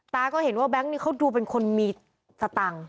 ตาก็เห็นว่าแบงค์นี้เขาดูเป็นคนมีตะตัง